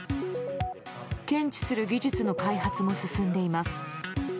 検知する技術の開発も進んでいます。